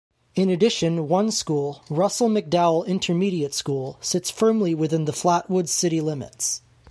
In addition, one school, Russell-McDowell Intermediate School, sits firmly within the Flatwoods city limits.